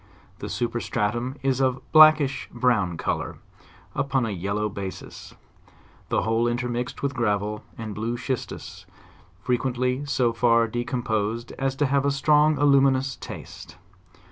The superstratum is of a blackish brown color, upon a yellow ba sis, the whole intermixed with gravel and blue schistus, fre quently so far decomposed as to have a strong aluminous taste.